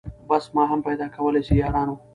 بس ما هم پیدا کولای سی یارانو